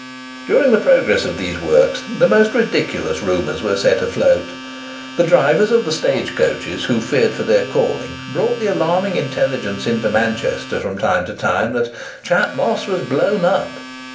During the progress of these works the most ridiculous rumours were set afloat. The drivers of the stage coaches who feared for their calling, brought the alarming intelligence into Manchester from time to time, that "Chat Moss was blown up!"